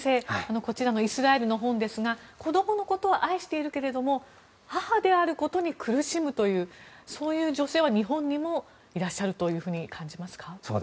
こちらのイスラエルの本ですが子供のことを愛しているけれども母であることに苦しむというそういう女性は日本にもいらっしゃるというふうに感じますか？